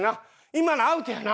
今のアウトやな。